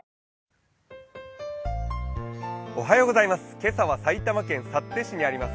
今朝は埼玉県幸手市にあります